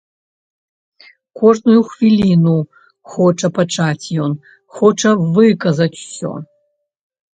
Кожную хвіліну хоча пачаць ён, хоча выказаць усё.